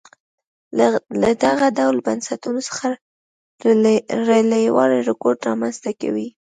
له دغه ډول بنسټونو څخه لرېوالی رکود رامنځته کوي.